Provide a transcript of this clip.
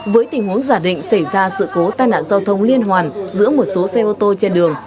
với tình huống giả định xảy ra sự cố tai nạn giao thông liên hoàn giữa một số xe ô tô trên đường